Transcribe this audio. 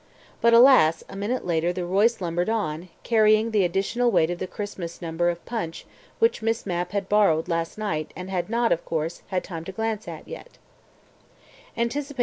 But, alas, a minute later the Royce lumbered on, carrying the additional weight of the Christmas number of Punch which Miss Mapp had borrowed last night and had not, of course, had time to glance at yet.